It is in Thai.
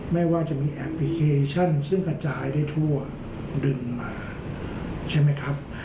ไม่ว่าจะมีแอปพลิเคชันซึ่งกระจายได้ทั่วดึงมาใช่ไหมครับ